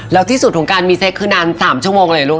แล้วที่สุดของการมีเซ็กคือนาน๓ชั่วโมงเลยลูก